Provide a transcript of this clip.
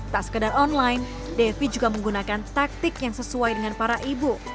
tak sekedar online devi juga menggunakan taktik yang sesuai dengan para ibu